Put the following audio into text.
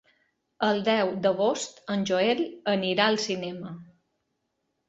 El deu d'agost en Joel anirà al cinema.